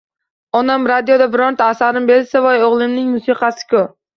Onam radioda birorta asarim berilsa, “Voy o’g’limning musiqasi-ku!”